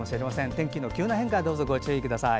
天気の急な変化にご注意ください。